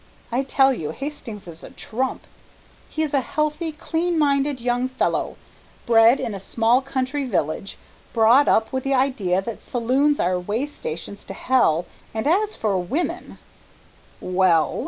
I tell you Hastings is a trump! He's a healthy, clean minded young fellow, bred in a small country village, brought up with the idea that saloons are way stations to hell and as for women " "Well?"